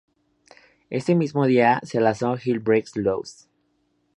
Ese mismo día se lanzó Hell Breaks Loose.